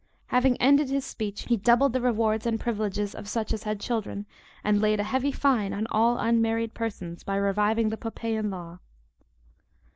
Having ended his speech, he doubled the rewards and privileges of such as had children, and laid a heavy fine on all unmarried persons, by reviving the Poppæan law.